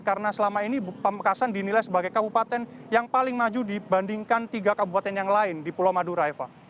karena selama ini pamekasan dinilai sebagai kabupaten yang paling maju dibandingkan tiga kabupaten yang lain di pulau madura eva